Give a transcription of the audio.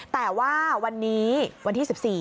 แต่ว่าวันนี้วันที่๑๔